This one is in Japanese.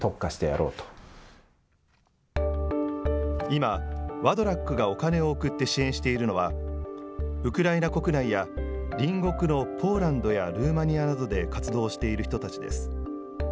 今、ワドラックがお金を送って支援しているのは、ウクライナ国内や隣国のポーランドやルーマニアなどで活動している人たちです。